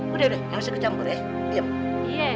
udah udah yang ini kecambur ya